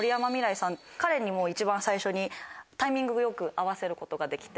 彼に一番最初にタイミングよく会わせることができて。